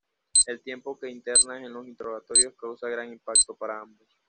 El tiempo que alternan en los interrogatorios causa gran impacto para ambos.